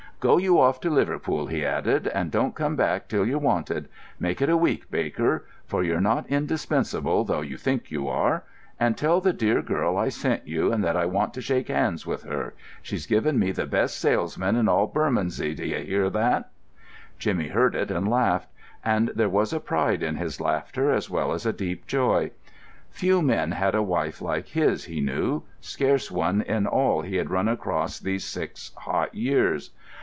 "Go you off to Liverpool," he added, "and don't come back till you're wanted. Make it a week, Baker; for you're not indispensable, though you think you are. And tell the dear girl I sent you, and that I want to shake hands with her—she's given me the best salesman in all Bermondsey, d'ye hear that?" Jimmy heard it and laughed; and there was a pride in his laughter as well as a deep joy. Few men had a wife like his, he knew—scarce one in all he had run across these six hot years.